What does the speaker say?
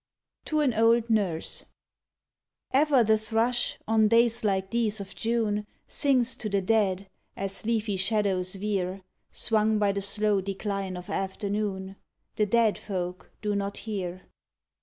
45 TO AN OLD NURSE Ever the thrush, on days like these of June, Sings to the dead, as leafy shadows veer, Swung by the slow decline of afternoon : The dead folk do not hear.